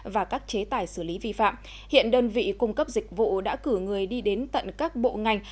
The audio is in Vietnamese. và các chế tài xử lý vi phạm hiện đơn vị cung cấp dịch vụ đã cử người đi đến tận các bộ ngành